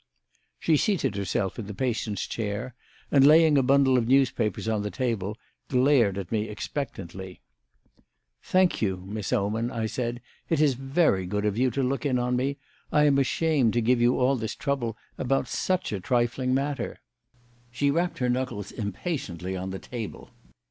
She seated herself in the patients' chair and, laying a bundle of newspapers on the table, glared at me expectantly. "Thank you, Miss Oman," I said. "It is very good of you to look in on me. I am ashamed to give you all this trouble about such a trifling matter." She rapped her knuckles impatiently on the table.